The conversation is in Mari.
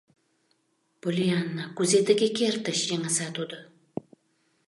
— Поллианна, кузе тыге кертыч? — йыҥыса тудо.